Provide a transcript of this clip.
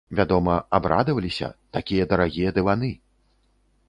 Вядома, абрадаваліся, такія дарагія дываны!